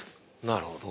なるほど。